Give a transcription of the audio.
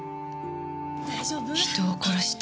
「人を殺した」